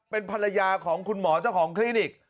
เป็นภรรยาของคุณหมอเจ้าของคลินิก